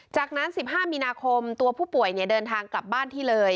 จากนั้น๑๕มีนาคมตัวผู้ป่วยเดินทางกลับบ้านที่เลย